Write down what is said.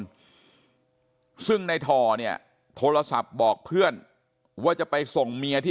กันซึ่งในถ่อเนี่ยโทรศัพท์บอกเพื่อนว่าจะไปส่งเมียที่